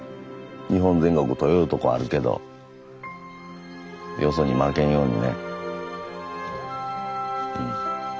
日本全国取りよるとこあるけどよそに負けんようにねうん。